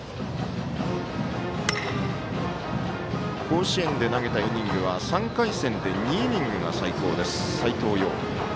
甲子園で投げたイニングは３回戦で２イニングが最高です斎藤蓉。